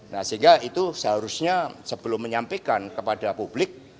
nah sehingga itu seharusnya sebelum menyampaikan kepada publik